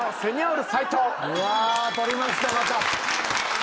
取りましたまた。